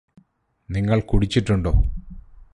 നിങ്ങള് കുടിച്ചിട്ടുണ്ടോ